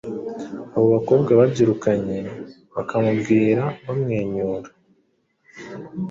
Abo bakobwa babyirukanye bakamubwira bamwenyura,